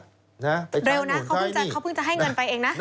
เร็วนะเขาเพิ่งจะให้เงินไปเองนะ